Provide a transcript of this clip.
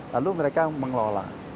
lalu mereka mengelola